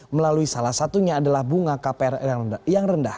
melalui salah satunya adalah bunga kpr yang rendah